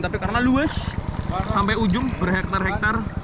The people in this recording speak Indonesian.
tapi karena luas sampai ujung berhektar hektar